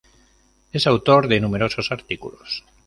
Es autor de numerosos artículos.